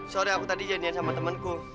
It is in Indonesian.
sorry aku tadi janjian sama temenku